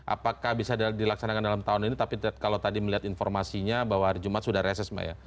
apakah bisa dilaksanakan dalam tahun ini tapi kalau tadi melihat informasinya bahwa hari jumat sudah reses mbak ya